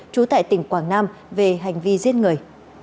trú tại tỉnh quảng nam về hành vi giết người